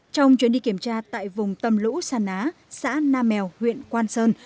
trong chuyến đi kiểm tra tại vùng tầm lũ sàn á xã nam mèo huyện quang sơn